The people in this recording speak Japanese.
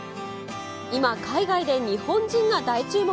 今、海外で日本人が大注目。